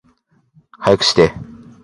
早くして